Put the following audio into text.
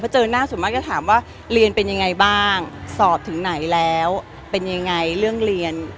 เจอหน้าส่วนมากก็ถามว่าเรียนเป็นยังไงบ้างสอบถึงไหนแล้วเป็นยังไงเรื่องเรียน